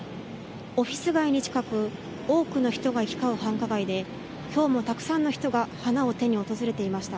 オフィス街に近く多くの人が行き交う繁華街できょうもたくさんの人が花を手に訪れていました。